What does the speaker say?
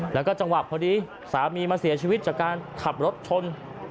แล้วก็จังหวะพอดีสามีมาเสียชีวิตจากการขับรถชน